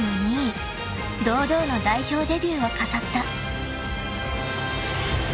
［堂々の代表デビューを飾った］